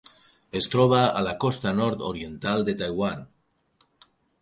Es troba a la costa nord-oriental de Taiwan.